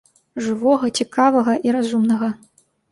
Жывога, цікавага і разумнага.